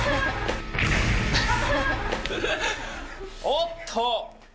おっと。